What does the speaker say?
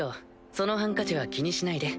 そのハンカチは気にしないで。